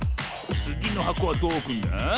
つぎのはこはどうおくんだ？